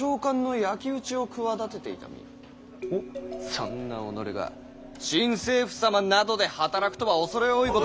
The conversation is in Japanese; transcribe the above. そんな己が新政府様などで働くとは畏れ多いことと。